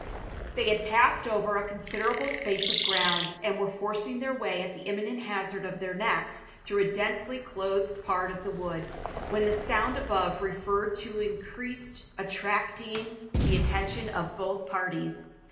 They had passed over a considerable space of ground, and were forcing their way at the imminent hazard of their necks through a densely clothed part of the wood, when the sound above referred to increased, attracting the attention of both parties.